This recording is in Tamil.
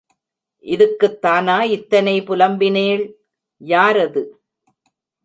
இதுக்குத்தானா இத்தனை புலம்பினேள்? யாரது?